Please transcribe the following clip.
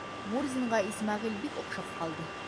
Мурзинға Исмәғил бик оҡшап ҡалды.